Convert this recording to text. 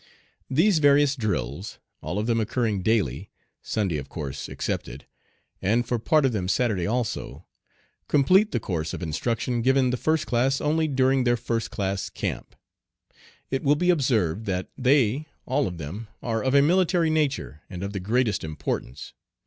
These various drills all of them occurring daily, Sunday of course excepted, and for part of them Saturday also complete the course of instruction given the first class only during their first class camp. It will be observed that they all of them are of a military nature and of the greatest importance.